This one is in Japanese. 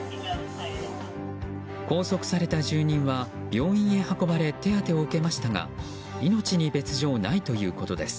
拘束された住人は病院へ運ばれ手当てを受けましたが命に別条ないということです。